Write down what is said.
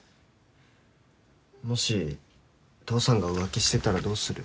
もし父さんが浮気してたらどうする？